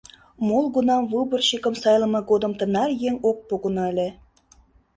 Молгунам выборщикым сайлыме годым тынар еҥ ок погыно ыле.